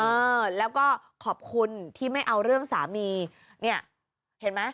เออแล้วก็ขอบคุณที่ไม่เอาเรื่องสามีเนี่ยเห็นไหม